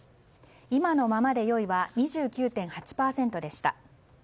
今のままでよいは２９．８％でした。